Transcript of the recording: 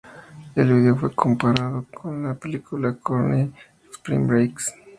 El vídeo fue comparado con la película de Korine, Spring Breakers.